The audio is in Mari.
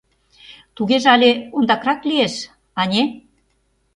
Тугеже але ондакрак лиеш, ане...